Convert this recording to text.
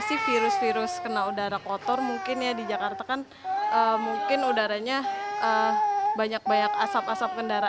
menurut riset kesehatan dasar kemenkes atau risc sdes dua ribu delapan belas pneumonia merupakan salah satu penyakit yang disebabkan oleh polusi udara